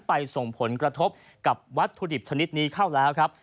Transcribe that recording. ส่งผลกระทบกับวัตถุดิบชนิดนี้เข้าแล้วครับ